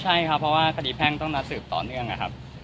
ใช่ครับเพราะว่าคดีแพ่งต้องนัดสืบต่อเนื่องนะครับ